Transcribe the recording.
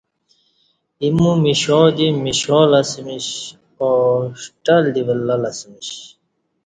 ایمو مشا دی مشالہ اسمِش او ݜٹل دی ولہ لہ اسمِش